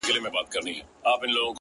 زما سره يې دومره ناځواني وكړله !!